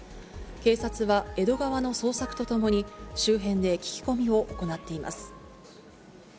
警察は江戸川の捜索とともに、周辺で聞き込みを行っています。